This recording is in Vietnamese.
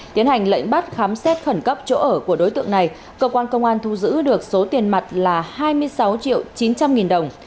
tiến hành lệnh bắt khám xét khẩn cấp chỗ ở của đối tượng này cơ quan công an thu giữ được số tiền mặt là hai mươi sáu triệu chín trăm linh nghìn đồng